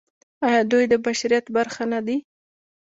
آیا دوی د بشریت برخه نه دي؟